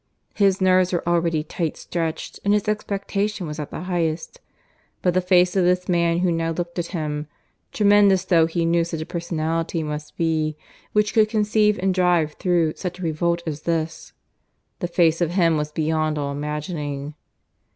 His nerves were already tight stretched and his expectation was at the highest; but the face of this man who now looked at him (tremendous though he knew such a personality must be, which could conceive and drive through such a revolt as this), the face of him was beyond all imagining.